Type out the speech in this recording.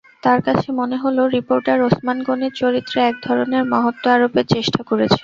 তাঁর কাছে মনে হল, রিপোর্টার ওসমান গনির চরিত্রে একধরনের মহত্ত্ব আরোপের চেষ্টা করেছেন।